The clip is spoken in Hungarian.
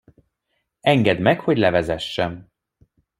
Engedd meg, hogy levezessem!